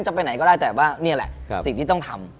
จะไปไหนก็ได้แต่ว่านี่แหละสิ่งที่ต้องทำ